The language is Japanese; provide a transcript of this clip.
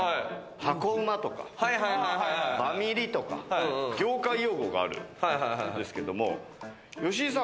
箱馬とかバミリとか、業界用語があるんですけども、好井さん